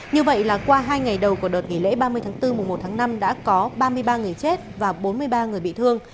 như vậy là qua hai ngày đầu của đợt nghỉ lễ ba mươi tháng bốn mùa một tháng năm đã có ba mươi ba người chết và bốn mươi ba người bị thương